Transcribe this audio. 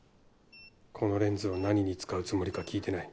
このレンズを何に使うつもりか聞いてない。